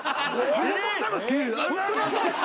ありがとうございます。